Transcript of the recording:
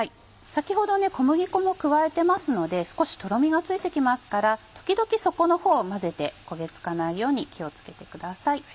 先ほどね小麦粉も加えてますので少しとろみがついてきますから時々底の方を混ぜて焦げつかないように気を付けてください。